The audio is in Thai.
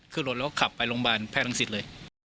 ขึ้นรถแล้วก็ขับไปโรงพยาบาลแพทย์รังสิตเลย